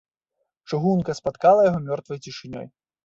Чыгунка спаткала яго мёртвай цішынёй.